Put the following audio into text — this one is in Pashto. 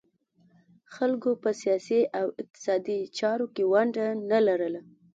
خلکو په سیاسي او اقتصادي چارو کې ونډه نه لرله